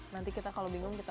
nanti kita kalau bingung kita